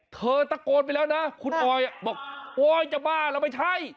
เธอตะโกนไปแล้วนะคุณออยบอกโอ๊ยจะบ้าเหรอไม่ใช่